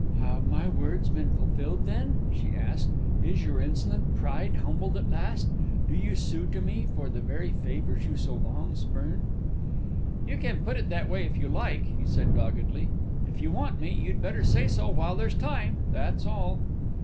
"Have my words been fulfilled, then?" she asked. "Is your insolent pride humbled at last? and do you sue to me for the very favours you so long have spurned?" "You can put it that way if you like," he said doggedly. "If you want me, you'd better say so while there's time, that's all!"